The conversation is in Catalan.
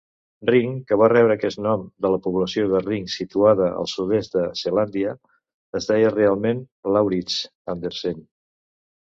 Ring, que va rebre aquest nom de la població de Ring situada al sud de Selàndia, es deia realment Laurits Andersen.